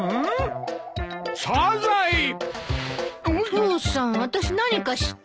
父さん私何かした？